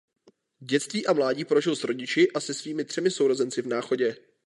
Dětství a mládí prožil s rodiči a se svými třemi sourozenci v Náchodě.